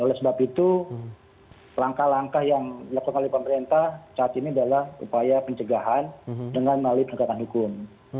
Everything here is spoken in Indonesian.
oleh sebab itu langkah langkah yang dilakukan oleh pemerintah saat ini adalah upaya pencegahan dengan melalui penegakan hukum